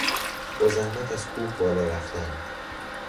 با زحمت از کوه بالا رفتن